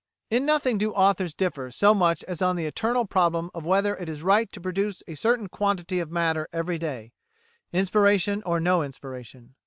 In nothing do authors differ so much as on the eternal problem of whether it is right to produce a certain quantity of matter every day inspiration or no inspiration.